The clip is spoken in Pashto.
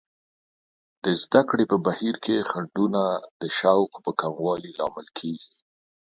د زده کړې په بهیر کې خنډونه د شوق په کموالي لامل کیږي.